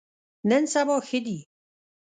نن سبا ښه دي.